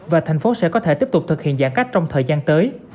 và thành phố sẽ có thể tiếp tục thực hiện giãn cách trong thời gian tới